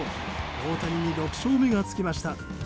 大谷に６勝目が付きました。